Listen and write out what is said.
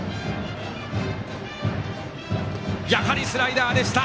やはりスライダーでした。